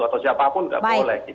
atau siapapun gak boleh